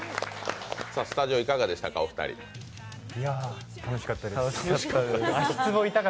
スタジオ、お二人いかがでしたか？